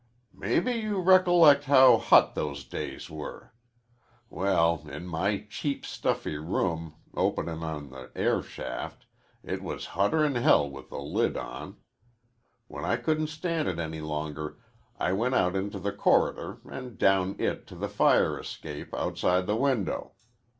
"Maybe you recollect how hot those days were. Well, in my cheap, stuffy room, openin' on an air shaft, it was hotter 'n hell with the lid on. When I couldn't stand it any longer, I went out into the corridor an' down it to the fire escape outside the window.